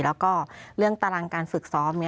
แล้วก็เรื่องตารางการฝึกซ้อม